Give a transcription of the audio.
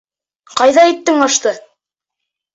Ҡайҙа иттең ашты?